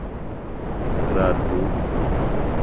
رات گُو۔